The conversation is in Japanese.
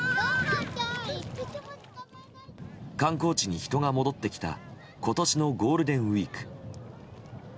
観光地に人が戻ってきた今年のゴールデンウィーク。